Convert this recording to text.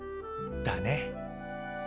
だね。